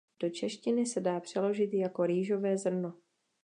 Do češtiny se dá přeložit jako rýžové zrno.